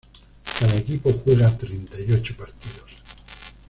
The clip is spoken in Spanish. Cada equipo juega treinta y ocho partidos.